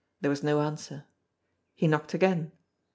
There was no answer. He knocked again.